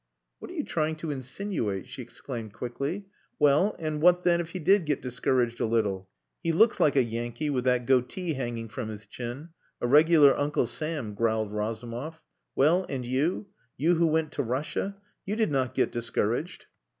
"What are you trying to insinuate" she exclaimed quickly. "Well, and what then if he did get discouraged a little...." "He looks like a Yankee, with that goatee hanging from his chin. A regular Uncle Sam," growled Razumov. "Well, and you? You who went to Russia? You did not get discouraged."